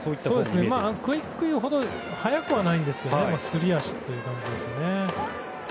クイックほど速くないんですけどすり足という感じですね。